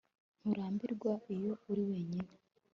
Nturambirwa iyo uri wenyine